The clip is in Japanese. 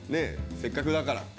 せっかくだからって。